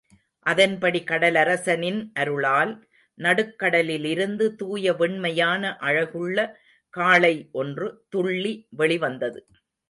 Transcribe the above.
அதன்படி கடலரசனின் அருளால், நடுக்கடலிலிருந்து துாய வெண்மையான அழகுள்ள காளை ஒன்று துள்ளி வெளி வந்தது.